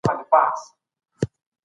سياسي سيستم د اساسي قانون لخوا ساتل کيږي.